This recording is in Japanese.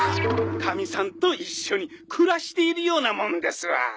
かみさんと一緒に暮らしているようなもんですわ。